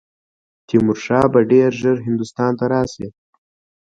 تیمور شاه به ډېر ژر هندوستان ته راشي.